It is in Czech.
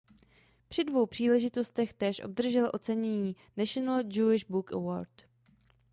Při dvou příležitostech též obdržel ocenění National Jewish Book Award.